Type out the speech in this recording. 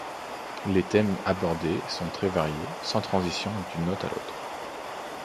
Les thèmes abordés sont très variés, sans transition d'une note à l'autre.